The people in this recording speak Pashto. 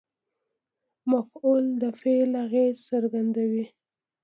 مفعول د فعل اغېز څرګندوي.